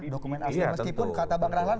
dokumen asli meskipun kata bang rahlan